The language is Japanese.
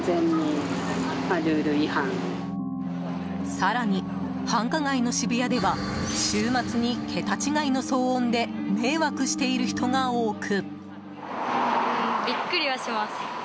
更に、繁華街の渋谷では週末に、桁違いの騒音で迷惑している人が多く。